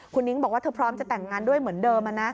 คุณนิ้งบอกว่าเธอพร้อมจะแต่งงานด้วยเหมือนเดิม